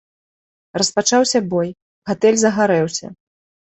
Распачаўся бой, гатэль загарэўся.